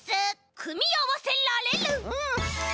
「くみあわせられる」！